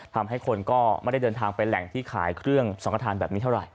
ทำให้คนก็ไม่ได้เดินทางไปแหล่งที่ขายเครื่องสังขทานแบบนี้เท่าไหร